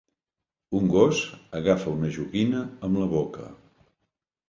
Un gos agafa una joguina amb la boca.